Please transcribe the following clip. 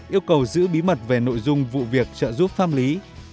yêu cầu giữ bí mật về nội dung vụ việc trợ giúp pháp lý